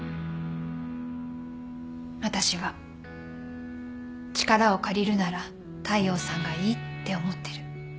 私は力を借りるなら大陽さんがいいって思ってる。